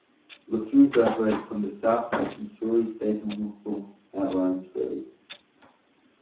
Laffoon graduated from the Southwest Missouri State Normal School at Warrensburg.